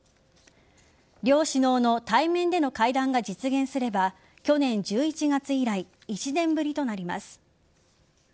両首脳の対面での会談が実現すれば去年１１月以来１年ぶりとなります。